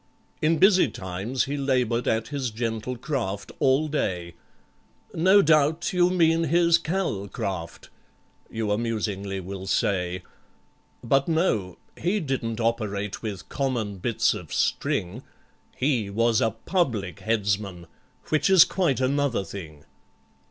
In busy times he laboured at his gentle craft all day— "No doubt you mean his Cal craft," you amusingly will say— But, no—he didn't operate with common bits of string, He was a Public Headsman, which is quite another thing.